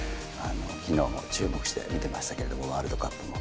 きのうも注目して見てましたけれども、ワールドカップも。